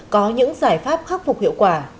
có những giải pháp khắc phục hiệu quả